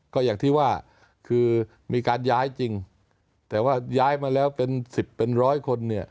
ก็อย่างที่ว่าคือมีการย้ายจริงแต่ว่าย้ายมาแล้วเป็นสิบเป็นร้อยคนเนี่ย